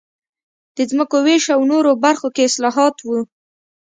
د ځمکو وېش او نورو برخو کې اصلاحات و